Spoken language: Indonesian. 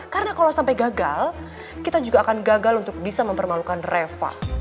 karena kalau sampai gagal kita juga akan gagal untuk bisa mempermalukan reva